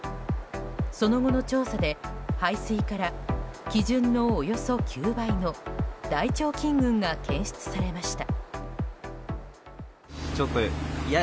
その後の調査で排水から基準のおよそ９倍の大腸菌群が検出されました。